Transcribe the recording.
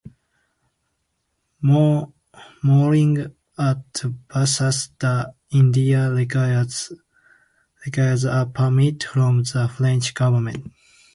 Mooring at Bassas da India requires a permit from the French Government.